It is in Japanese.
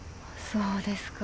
そうですか？